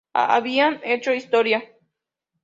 Habían hecho historia.